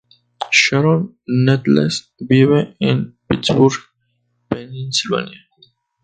Sharon Needles vive en Pittsburgh, Pennsylvania.